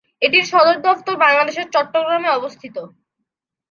এটির সদর দফতর বাংলাদেশের চট্টগ্রামে অবস্থিত।